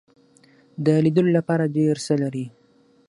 د لیدلو لپاره ډیر څه لري.